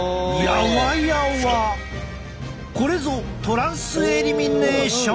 これぞトランスエリミネーション！